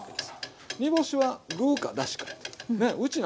煮干しは具かだしかというね。